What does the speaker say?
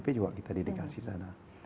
kita juga didekasi sana